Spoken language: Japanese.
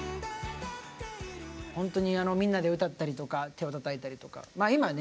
ほんとにあのみんなで歌ったりとか手をたたいたりとかまあ今ね